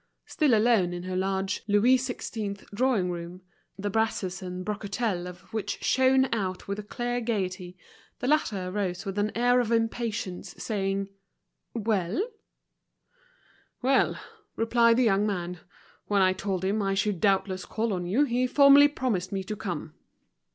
Still alone in her large Louis XVI. drawing room, the brasses and brocatelle of which shone out with a clear gaiety, the latter rose with an air of impatience, saying, "Well?" "Well," replied the young man, "when I told him I should doubtless call on you he formally promised me to come."